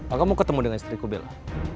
aku mau ketemu dengan istriku bella